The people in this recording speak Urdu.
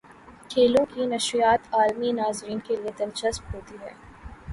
کھیلوں کی نشریات عالمی ناظرین کے لیے دلچسپ ہوتی ہیں۔